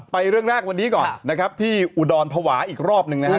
เรื่องแรกวันนี้ก่อนนะครับที่อุดรภาวะอีกรอบหนึ่งนะฮะ